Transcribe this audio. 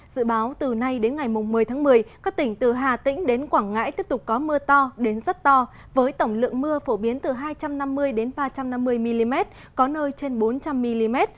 dự báo từ nay đến ngày một mươi tháng một mươi các tỉnh từ hà tĩnh đến quảng ngãi tiếp tục có mưa to đến rất to với tổng lượng mưa phổ biến từ hai trăm năm mươi ba trăm năm mươi mm có nơi trên bốn trăm linh mm